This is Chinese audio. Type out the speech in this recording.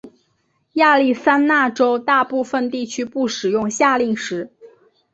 亚利桑那州大部分地区不使用夏令时。